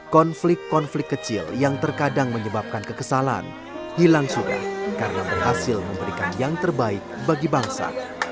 konflik konflik kecil yang terkadang menyebabkan kekesalan hilang sudah karena berhasil memberikan yang terbaik bagi bangsa